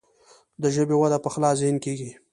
د ژبې وده په خلاص ذهن کیږي.